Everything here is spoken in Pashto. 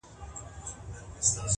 ویل خلاص مي کړې له غمه انعام څه دی!.